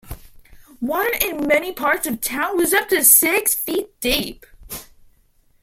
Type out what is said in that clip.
Water in many parts of town was up to six feet deep.